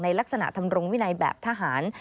ลักษณะทำรงวินัยแบบทหาร